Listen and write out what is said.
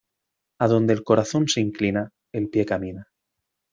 Adonde el corazón se inclina, el pie camina.